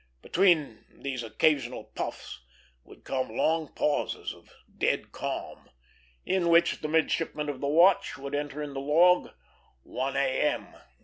Between these occasional puffs would come long pauses of dead calm, in which the midshipman of the watch would enter in the log: "1 A.M.